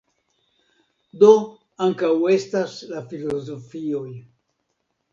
Do ankaŭ estas la filozofioj.